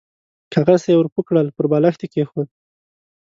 کاغذ ته يې ور پوه کړل، پر بالښت يې کېښود.